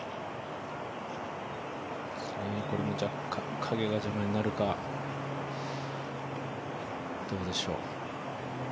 これも若干影が邪魔になるか、どうでしょう。